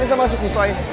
bersama sama si guswai